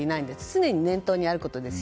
常に念頭にあることです